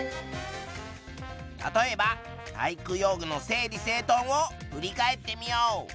例えば体育用具の整理整とんを振り返ってみよう。